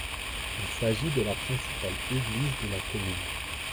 Il s'agit de la principale église de la commune.